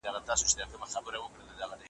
دا چي لوی سي نو که نن وي که سبا وي `